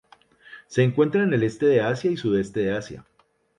Se encuentra en el Este de Asia y Sudeste de Asia.